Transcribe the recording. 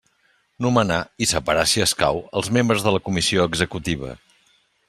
Nomenar, i separar si escau, els membres de la Comissió Executiva.